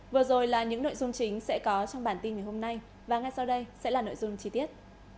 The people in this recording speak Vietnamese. vừa rồi là những nội dung chính sẽ có trong bản tin ngày hôm nay và ngay sau đây sẽ là nội dung chi tiết